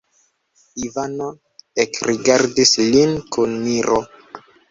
Ivano ekrigardis lin kun miro.